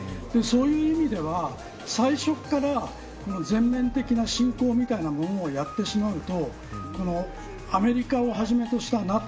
そういう意味では最初から全面的な侵攻みたいなものをやってしまうとアメリカをはじめとしたＮＡＴＯ